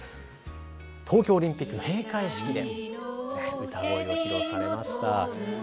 東京オリンピックの閉会式で歌声を披露されました。